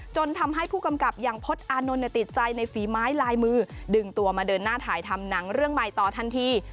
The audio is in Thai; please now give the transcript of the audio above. จนทำให้ผู้กำกับอย่างพจน์อานนท์ติดใจในฝีไม้ลายมือดึงตัวมาเดินหน้าถ่ายทำหนังเรื่องใหม่ต่อทันที